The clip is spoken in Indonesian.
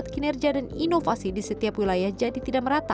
kinerja dan inovasi di setiap wilayah jadi tidak merata